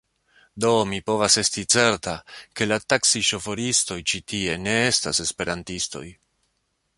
Do mi povas esti certa, ke la taksi-ŝoforistoj ĉi tie ne estas Esperantistoj.